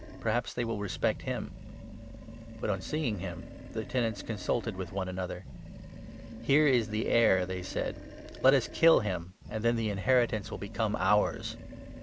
Perhaps they will respect him.' But, on seeing him, the tenants 14 consulted with one another. ' Here is the heir !' they said. ' Let us kill him, and then the inheritance will become ours.'